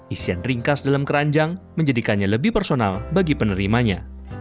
isian ringkas dalam keranjang menjadikannya lebih personal bagi penerimanya